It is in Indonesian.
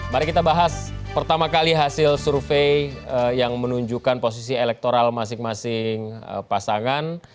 mari kita bahas pertama kali hasil survei yang menunjukkan posisi elektoral masing masing pasangan